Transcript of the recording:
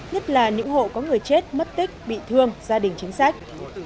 nhất là những hộ có người chết mất tích bị thương gia đình chính sách